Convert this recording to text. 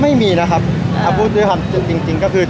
ไม่มีนะครับถ้าพูดด้วยความจริงก็คือ